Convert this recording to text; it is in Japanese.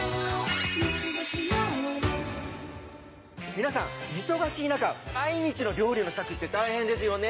皆さん忙しい中毎日の料理の支度って大変ですよね。